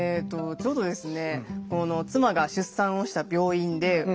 ちょうどですね